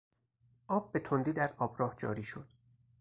آب به تندی در آبراه جاری شد.